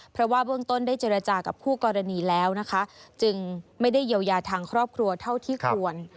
เพราะว่าเบื้องต้นได้เจรจากับคู่กรณีแล้วนะคะจึงไม่ได้เยียวยาทางครอบครัวเท่าที่ควร